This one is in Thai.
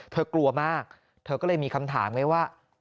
กลัวมากเธอก็เลยมีคำถามไงว่า